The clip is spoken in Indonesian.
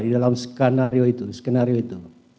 di dalam skenario itu